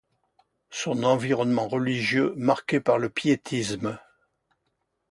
Son environnement religieux, marqué par le piétisme.